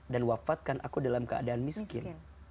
dan wafatkan aku dalam keadaan miskin